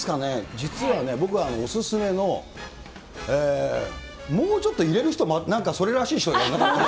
実はね、僕はお勧めの、もうちょっと入れる人、なんかそれらしい人いなかったの？